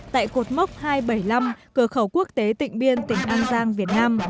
tại cột mốc hai trăm bảy mươi năm cờ khẩu quốc tế tịnh biên tỉnh an giang việt nam